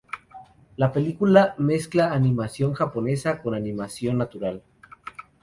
La película mezcla animación japonesa con animación natural.